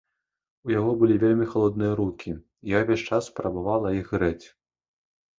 У яго былі вельмі халодныя рукі і я ўвесь час спрабавала іх грэць.